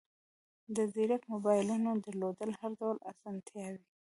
د زیرک موبایلونو درلودل هر ډول اسانتیاوې